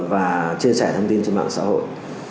và chia sẻ thông tin trên mạng xã hội